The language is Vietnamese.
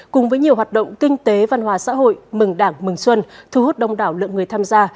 cùng với nhiều hoạt động kinh tế văn hóa xã hội mừng đảng mừng xuân thu hút đông đảo lượng người tham gia